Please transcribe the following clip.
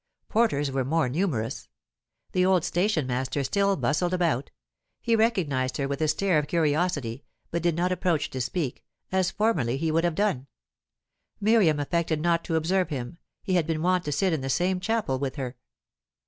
Porters were more numerous. The old stationmaster still bustled about; he recognized her with a stare of curiosity, but did not approach to speak, as formerly he would have done. Miriam affected not to observe him; he had been wont to sit in the same chapel with her.